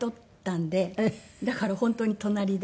だから本当に隣で。